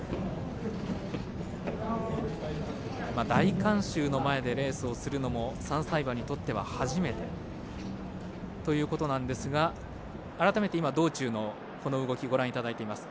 大観衆の前でレースをするのも３歳馬にとっては初めてということなんですが改めて今、道中のこの動きご覧いただいています。